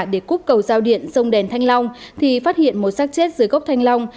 để cúc cầu giao điện sông đèn thanh long thì phát hiện một sát chết dưới gốc thanh long